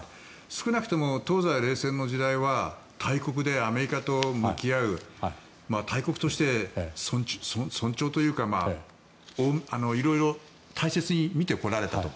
少なくとも東西冷戦の時代は大国でアメリカと向き合う大国として尊重というか色々大切に見てこられたと。